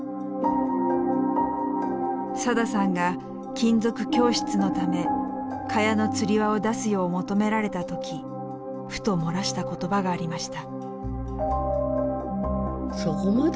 さださんが金属供出のため蚊帳のつり輪を出すよう求められた時ふと漏らした言葉がありました。